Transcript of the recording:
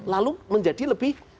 lalu menjadi lebih